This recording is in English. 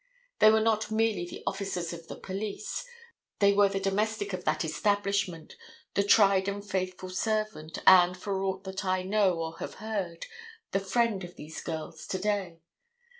They were not merely the officers of the police. They were the domestic of that establishment, the tried and faithful servant, and, for aught that I know or have heard, the friend of these girls to day.